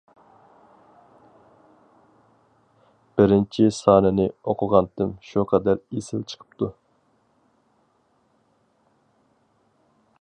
بىرىنچى سانىنى ئوقۇغانتىم شۇ قەدەر ئېسىل چىقىپتۇ.